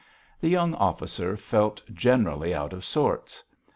The young officer felt generally out of sorts.